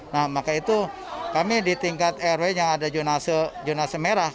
nah maka itu kami di tingkat rw yang ada jurnal semerah